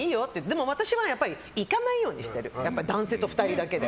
でも私は行かないようにしてる男性と２人だけで。